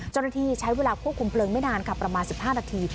จนดังทีใช้เวลาควบคุมเปลืองไม่นานครับประมาณ๑๕นาที